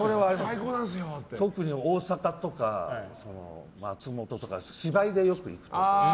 特に大阪とか、松本とか芝居でよく行くところ。